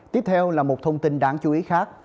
tiếp theo là một thông tin đáng chú ý khác